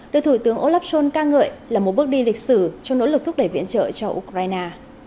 được thủ tướng olaf scholz ca ngợi là một bước đi lịch sử trong nỗ lực thúc đẩy viện trợ cho ukraine